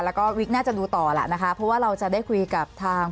แล้วก็วิกน่าจะดูต่อแหละนะคะเพราะว่าเราจะได้คุยกับทาง